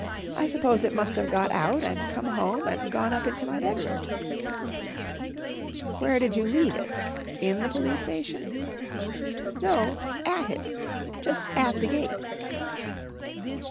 I s'pose it must of got out an' come home an' gone up into my bedroom." "Where did you leave it? In the Police Station?" "No at it jus' at the gate."